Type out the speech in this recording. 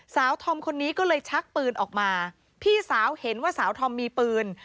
ธอมคนนี้ก็เลยชักปืนออกมาพี่สาวเห็นว่าสาวธอมมีปืน